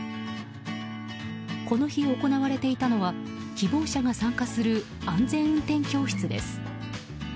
この日、行われていたのは希望者が参加する安全運転教室です。